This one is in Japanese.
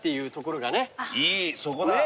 いいそこだ。